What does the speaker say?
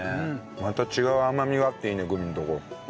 また違う甘みがあっていいねグミのとこ。